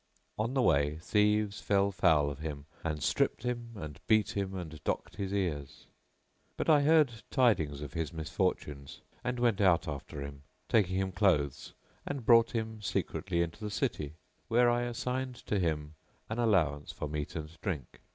On the way thieves fell foul of him and stripped and beat him and docked his ears; but I heard tidings of his misfortunes and went out after him taking him clothes; and brought him secretly into the city where I assigned to him an allowance for meat and drink.